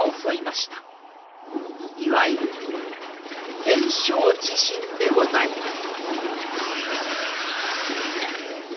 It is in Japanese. いわゆる天正地震でございます。